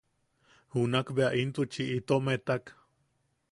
Junak bea intuchi itom etak.